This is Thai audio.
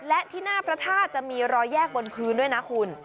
และที่หน้าพระธาตุจะมีรอยแยกบนพื้นด้วยนะคุณ